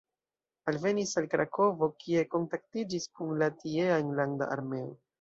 Alvenis al Krakovo, kie kontaktiĝis kun la tiea Enlanda Armeo.